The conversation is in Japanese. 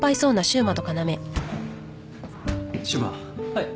はい。